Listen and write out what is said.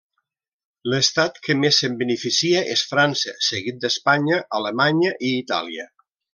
L'estat que més se'n beneficia és França, seguit d'Espanya, Alemanya i Itàlia.